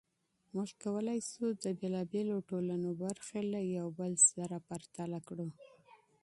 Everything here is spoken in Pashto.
موږ کولای سو د مختلفو ټولنو برخې یو له بل سره پرتله کړو.